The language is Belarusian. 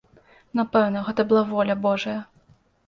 Напэўна, гэта была воля божая.